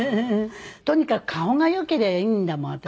とにかく顔がよけりゃいいんだもん私。